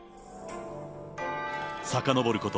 さかのぼること